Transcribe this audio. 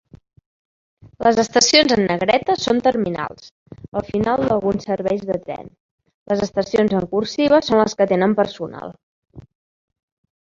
Les estacions en negreta són terminals, el final d'alguns serveis de tren; les estacions en "cursiva" són les que tenen personal.